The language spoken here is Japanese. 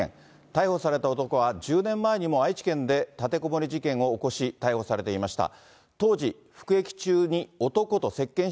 逮捕された男は、１０年前にも愛知県で立てこもり事件を起こし逮捕されていました。